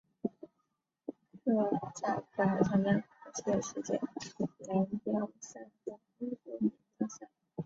科扎克还参加过多届世界锦标赛和欧洲锦标赛。